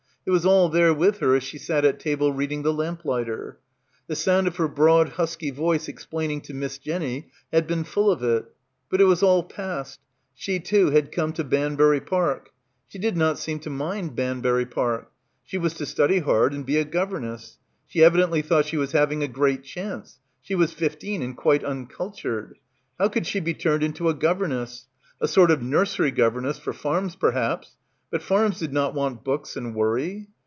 It was all there with her as she sat at table reading "The Lamp lighter." The sound of her broad husky voice explaining to Miss Jenny had been full of it. But it was all past. She too had come 'to Banbury Park. She did not seem to mind Banbury Park. She was to study hard and be a governess. She evi dently thought she was having a great chance — she was fifteen and quite "uncultured." How could she be turned into a governess? A sort of nursery governess, for farms, perhaps. But farms did not want books and worry.